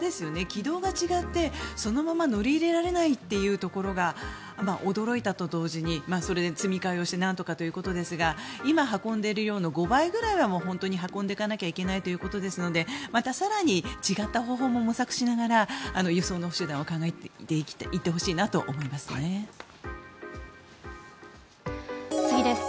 軌道が違ってそのまま乗り入れられないというところが驚いたと同時にそれで積み替えをしてなんとかということですが今運んでいる量の５倍ぐらいは本当に運んでいかなきゃいけないということなのでまた更に違った方法も模索しながら輸送の手段を考えていってほしいなと思います。